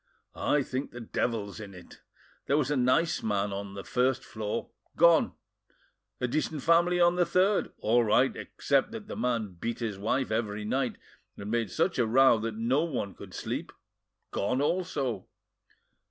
"I think the devil's in it. There was a nice man on the first floor gone; a decent family on the third, all right except that the man beat his wife every night, and made such a row that no one could sleep—gone also.